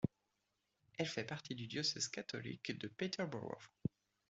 Elle fait partie du diocèse catholique de Peterborough.